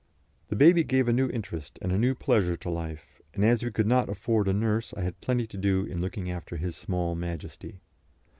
The baby gave a new interest and a new pleasure to life, and as we could not afford a nurse I had plenty to do in looking after his small majesty.